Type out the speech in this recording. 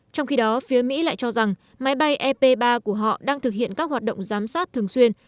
trong khi đó phía mỹ lại cho rằng máy bay ep ba của họ đang thực hiện các hoạt động giám sát thường xuyên